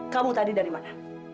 kamu tadi dari mana